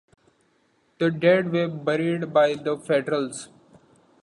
The dead were buried by the Federals.